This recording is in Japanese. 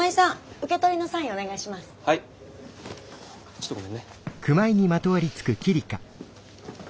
ちょっとごめんね。